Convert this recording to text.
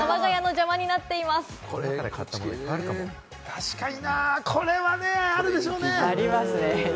確かにな。これ、あるでしょうね！